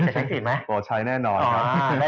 สายเอกจะใช้สิทธิ์ไหม